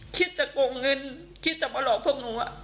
คิดจะโกงเงินคิดจะมาหลอกพวกหนู